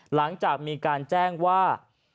หลังจากมีการแจ้งว่า